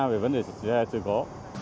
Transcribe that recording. về vấn đề sự cố